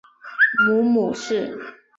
母母氏。